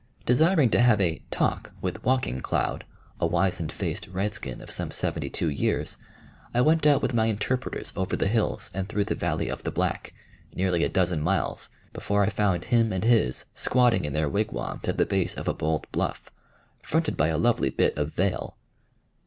Desiring to have a "talk" with Walking Cloud, a wizened faced redskin of some seventy two years, I went out with my interpreters over the hills and through the valley of the Black, nearly a dozen miles, before I found him and his squatting in their wigwams at the base of a bold bluff, fronted by a lovely bit of vale.